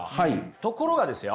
ところがですよ